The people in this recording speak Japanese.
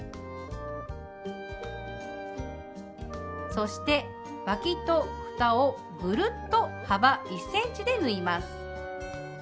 そしてわきとふたをぐるっと幅１ｃｍで縫います。